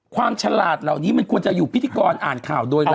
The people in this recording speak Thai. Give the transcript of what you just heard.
ฉลาดเหล่านี้มันควรจะอยู่พิธีกรอ่านข่าวโดยเร็ว